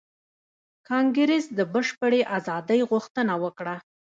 کانګریس د بشپړې ازادۍ غوښتنه وکړه.